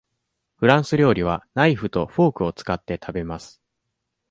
フランス料理はナイフとフォークを使って食べます。